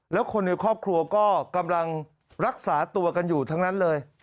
แล้วคนในครอบครัวก็กำลังรักษาตัวกันอยู่ทั้งนั้นเลย